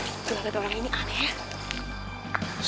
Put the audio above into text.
saya lihat orang ini aneh ya